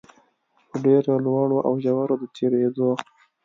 په ډېرو لوړو او ژورو د تېرېدو